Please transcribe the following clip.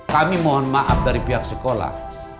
kami mohon maaf dari pihak sekolah